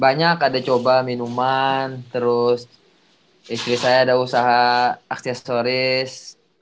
banyak ada coba minuman terus istri saya ada usaha aksesoris